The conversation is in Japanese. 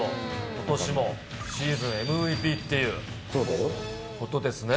ことしもシーズンＭＶＰっていうことですね。